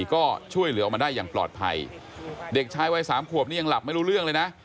ก็ช่วยเหลือออกมาได้อย่างปลอดภัยเด็กชายวัยสามขวบนี่ยังหลับไม่รู้เรื่องเลยนะ